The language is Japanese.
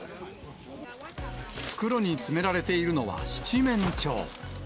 袋に詰められているのは七面鳥。